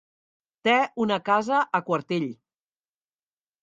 Té una casa a Quartell.